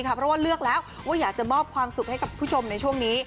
เพราะว่าเลือกแล้วว่าอยากจะมอบความสุขให้กับผู้ชมในช่วงนี้